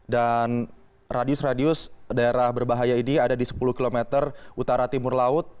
dan radius radius daerah berbahaya ini ada di sepuluh km utara timur laut